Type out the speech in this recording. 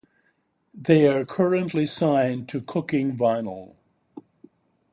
They are currently signed to Cooking Vinyl.